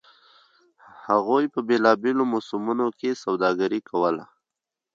هغوی په بېلابېلو موسمونو کې سوداګري کوله